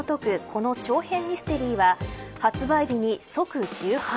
この長編ミステリーは、発売日に即重版。